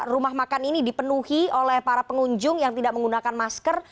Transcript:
rumah makan ini dipenuhi oleh para pengunjung yang tidak menggunakan masker